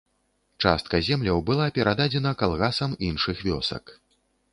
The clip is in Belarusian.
Частка земляў была перададзена калгасам іншых вёсак.